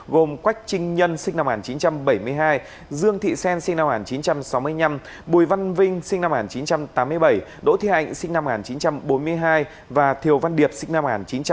gồm quách trinh nhân sinh năm một nghìn chín trăm bảy mươi hai dương thị sen sinh năm một nghìn chín trăm sáu mươi năm bùi văn vinh sinh năm một nghìn chín trăm tám mươi bảy đỗ thị hạnh sinh năm một nghìn chín trăm bốn mươi hai và thiều văn điệp sinh năm một nghìn chín trăm tám mươi